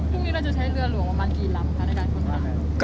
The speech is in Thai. พรุ่งนี้เราจะใช้เรือหลวงประมาณกี่ลำคะ